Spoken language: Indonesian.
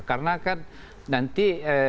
karena kan nanti jadinya